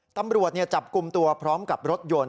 ตำรวจจับกลุ่มตัวพร้อมกับรถยนต์